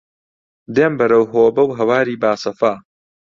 دێم بەرەو هۆبە و هەواری باسەفا